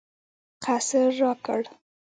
قصر راکړ.